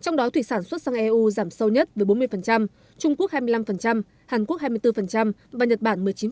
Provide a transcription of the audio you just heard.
trong đó thủy sản xuất sang eu giảm sâu nhất với bốn mươi trung quốc hai mươi năm hàn quốc hai mươi bốn và nhật bản một mươi chín